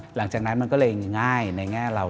หลังจากนั้นมันก็เลยง่ายในแง่เรา